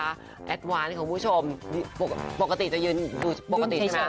แอดวานส์ของผู้ชมปกติจะยืนดูปกติขนาดนี้